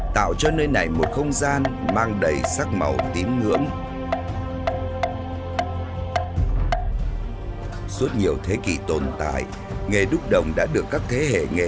tạo cho nơi này một không gian mang đầy sắc màu tím ngưỡng